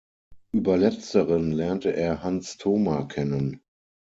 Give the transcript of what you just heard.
Über Letzteren lernte er Hans Thoma kennen.